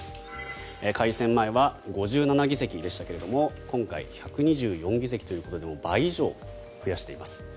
改選前は５７議席でしたが今回１２４議席ということで倍以上増やしています。